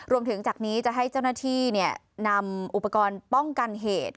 จากนี้จะให้เจ้าหน้าที่นำอุปกรณ์ป้องกันเหตุ